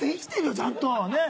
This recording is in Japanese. ちゃんとねっ。